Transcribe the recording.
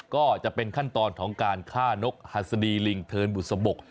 ก็จะเป็นขั้นตอนของการฆ่านกหัสดีลิงเทินบุษบก